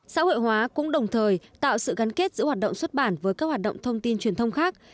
xã hội hóa cũng đồng thời tạo sự gắn kết giữa hoạt động xuất bản với các hoạt động thông tin truyền thông khác